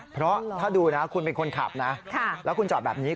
เพราะถ้าดูนะคุณเป็นคนขับนะแล้วคุณจอดแบบนี้